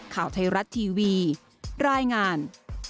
ข่าวไทยรัฐทีวีรายงาน